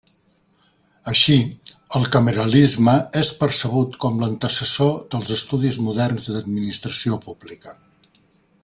Així, el cameralisme és percebut com l'antecessor dels estudis moderns d'administració pública.